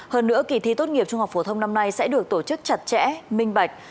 hơn nữa kỳ thi tốt nghiệp trung học phổ thông năm nay sẽ được tổ chức chặt chẽ minh bạch